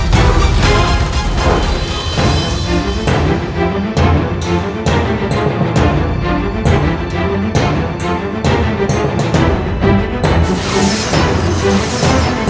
terusah terusah terusah terusah terusah